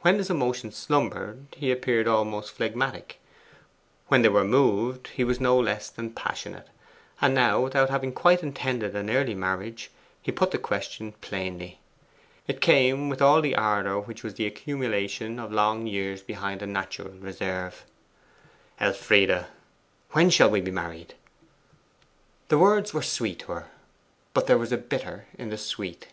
When his emotions slumbered he appeared almost phlegmatic; when they were moved he was no less than passionate. And now, without having quite intended an early marriage, he put the question plainly. It came with all the ardour which was the accumulation of long years behind a natural reserve. 'Elfride, when shall we be married?' The words were sweet to her; but there was a bitter in the sweet.